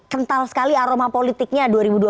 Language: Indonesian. kental sekali aroma politiknya